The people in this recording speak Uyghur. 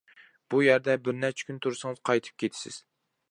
بۇ يەردە بىر نەچچە كۈن تۇرسىڭىز قايتىپ كېتىسىز.